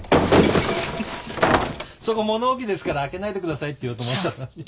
「そこ物置ですから開けないでください」って言おうと思ったのに。